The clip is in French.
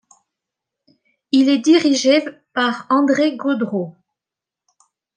Il est dirigé par André Gaudreault.